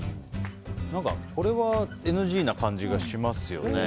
これはＮＧな感じがしますよね。